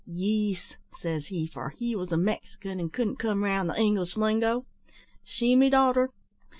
`Yees,' says he for he was a Mexican, and couldn't come round the English lingo `she me darter.'